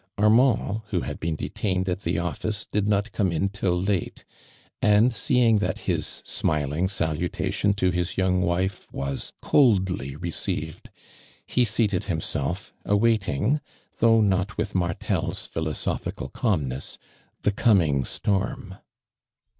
Armand, who had been detained at the office did not come in till late, and see ing that liis smiling salutation to his young wife was coldly received, he seated himself, awaiting, though not withMartel's philoso phical calmness, the coming storm.